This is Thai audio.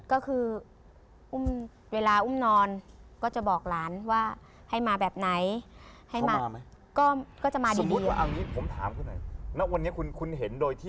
ก็คือเวลาอุ้มนอนก็จะบอกหลานว่าให้มาแบบไหน